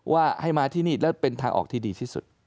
ว่าให้มาที่นี่แล้วเป็นทางออกที่ดีที่สุด